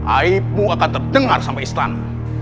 aibmu akan terdengar sama istanmu